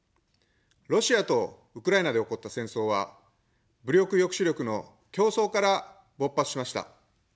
ロシアとウクライナで起こった戦争は、武力抑止力の競争から勃発しました。